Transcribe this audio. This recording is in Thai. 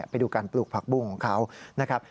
ไปดูการปลูกผักบุ้งของเขานะครับ